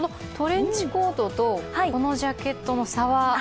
トレンチコートとこのジャケットの差は？